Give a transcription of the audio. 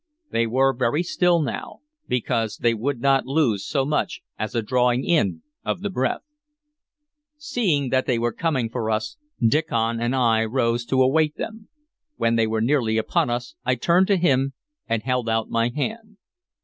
They were very still now, because they would not lose so much as a drawing in of the breath. Seeing that they were coming for us, Diccon and I rose to await them. When they were nearly upon us I turned to him and held out my hand.